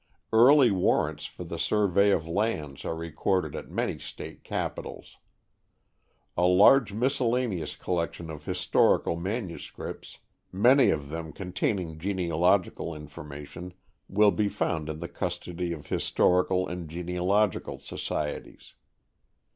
Early warrants for the survey of lands are recorded at many State Capitals. A large miscellaneous collection of historical manuscripts, many of them containing genealogical information, will be found in the custody of historical and genealogical societies.